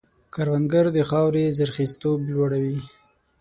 کروندګر د خاورې زرخېزتوب لوړوي